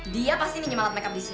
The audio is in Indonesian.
dia pasti minum alat makeup di sini